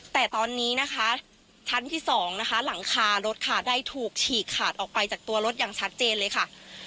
แต่ตอนนี้นะคะชั้นที่๒นะคะหลังคารถค่ะได้ถูกฉีกขาดออกไปจากตัวรถอย่างชัดเจนเลยค่ะ